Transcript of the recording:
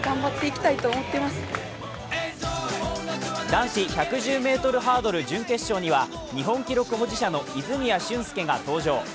男子１１０ｍハードル準決勝には、日本記録保持者の泉谷駿介が登場。